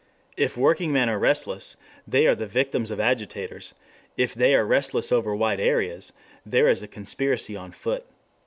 If workingmen are restless, they are the victims of agitators; if they are restless over wide areas, there is a conspiracy on foot.